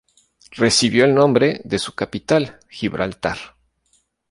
Recibió el nombre de su capital Gibraltar.